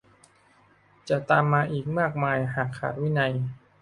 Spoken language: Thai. จะตามมาอีกมากหากขาดวินัย